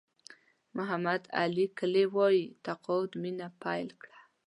محمد علي کلي وایي تقاعد مینه پیل کړه.